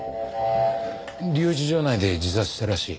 留置場内で自殺したらしい。